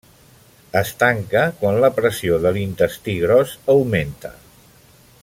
Es tanca quan la pressió de l'intestí gros augmenta.